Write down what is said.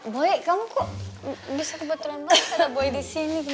boy kamu kok bisa kebetulan banyak ada boy di sini